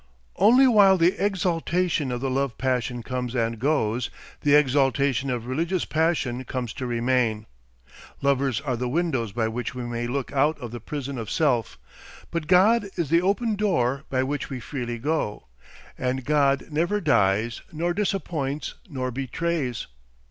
Only while the exaltation of the love passion comes and goes, the exaltation of religious passion comes to remain. Lovers are the windows by which we may look out of the prison of self, but God is the open door by which we freely go. And God never dies, nor disappoints, nor betrays.